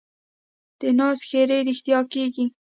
د ناز ښېرې رښتیا کېږي.